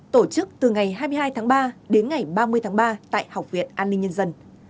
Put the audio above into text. tổ chức từ ngày hai mươi hai tháng ba đến ngày ba mươi tháng ba tại học viện an ninh nhân dân